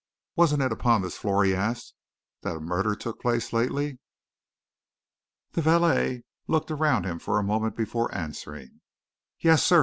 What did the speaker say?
"Wasn't it upon this floor," he asked, "that a murder took place lately?" The valet looked around him for a moment before answering. "Yes, sir!"